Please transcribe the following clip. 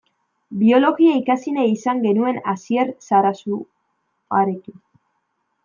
Biologia ikasi nahi izan genuen Asier Sarasuarekin.